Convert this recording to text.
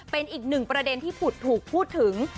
เป็นอีก๑ประเด็นทและอีก๑ประเด็นนนนที่ถูกพูดถึง